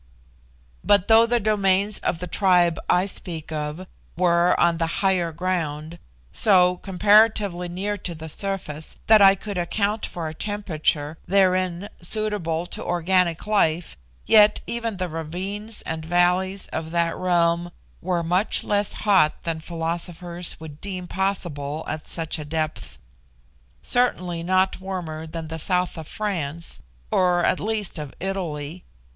But though the domains of the tribe I speak of were, on the higher ground, so comparatively near to the surface, that I could account for a temperature, therein, suitable to organic life, yet even the ravines and valleys of that realm were much less hot than philosophers would deem possible at such a depth certainly not warmer than the south of France, or at least of Italy.